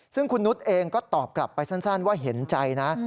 ซึ่งคุณนุษย์เองก็ตอบกลับไปสั้นว่าเห็นใจนะ